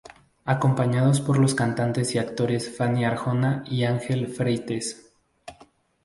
Acompañados por los cantantes y actores Fanny Arjona y Ángel Freites.